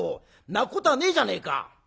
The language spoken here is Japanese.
泣くことはねえじゃねえか！